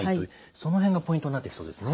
その辺がポイントになってきそうですね。